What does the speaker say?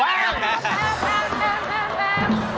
แบบ